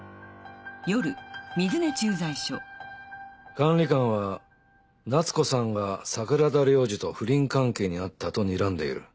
管理官は夏子さんが桜田良次と不倫関係にあったとにらんでいる。